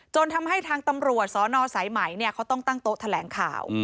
ทำให้ทางตำรวจสนสายไหมเขาต้องตั้งโต๊ะแถลงข่าว